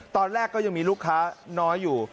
ตอนแรกก็ยังมีลูกค้าน้อยอยู่